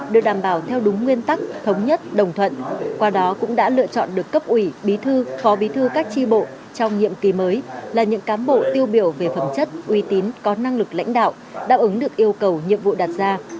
được đảm bảo theo đúng nguyên tắc thống nhất đồng thuận qua đó cũng đã lựa chọn được cấp ủy bí thư phó bí thư các tri bộ trong nhiệm kỳ mới là những cán bộ tiêu biểu về phẩm chất uy tín có năng lực lãnh đạo đáp ứng được yêu cầu nhiệm vụ đặt ra